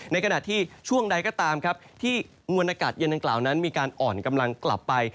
ในขณะที่ช่วงใดก็ตามครับที่มวลอากาศเย็นดังกล่าวนั้นมีการอ่อนกำลังกลับไป